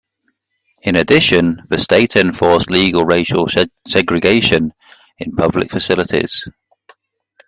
In addition, the state enforced legal racial segregation in public facilities.